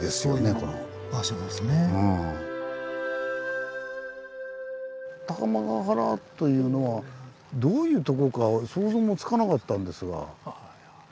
そういう場所ですね。というのはどういうとこか想像もつかなかったんですが。